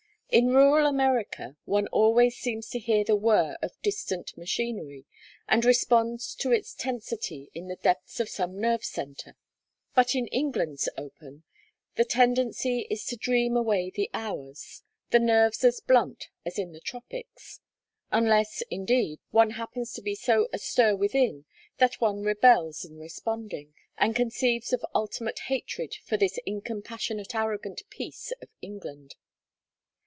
In rural America one always seems to hear the whir of distant machinery and responds to its tensity in the depths of some nerve centre; but in England's open the tendency is to dream away the hours, the nerves as blunt as in the tropics; unless, indeed, one happens to be so astir within that one rebels in responding, and conceives of ultimate hatred for this incompassionate arrogant peace of England.